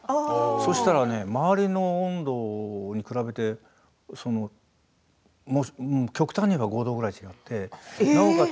そしたらね、周りの温度に比べて極端に言えば５度ぐらい違ってなおかつ